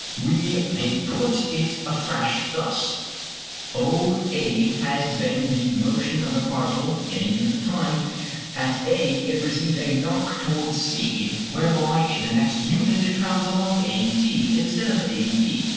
We may put it afresh thus: OA has been the motion of a particle in a unit of time; at A it receives a knock towards C, whereby in the next unit it travels along AD instead of AB.